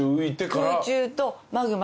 空中とマグマ。